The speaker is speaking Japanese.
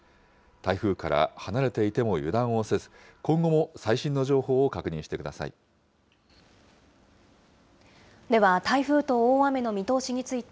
台風から離れていても油断をせず、今後も最新の情報を確認してください。